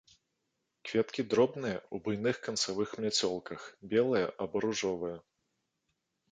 Кветкі дробныя ў буйных канцавых мяцёлках, белыя або ружовыя.